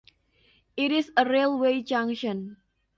It is a railway junction.